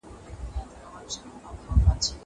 زه پرون بازار ته ولاړم.